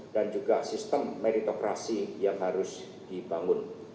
dan juga sistem meritokrasi yang harus dibangun